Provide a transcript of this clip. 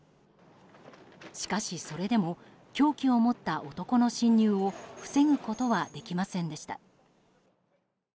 しかし、それでも凶器を持った男の侵入を防ぐことはできませんでした。